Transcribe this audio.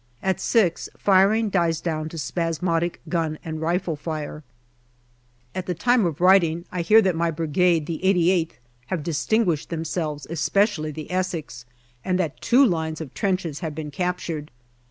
At six, firing dies down to spasmodic gun and rifle fire. AUGUST 187 At the time of writing I hear that my Brigade, the 88th, have distinguished themselves, especially the Essex, and that two lines of trenches have been captured.